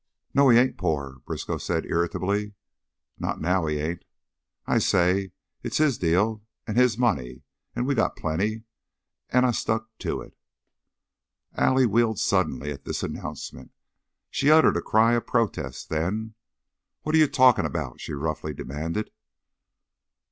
"No, he ain't pore," Briskow said, irritably. "Not now he ain't. I says it's his deal an' his money, an' we got plenty. An' I stuck to it." Allie wheeled suddenly at this announcement. She uttered a cry of protest; then, "What are you talkin' about?" she roughly demanded.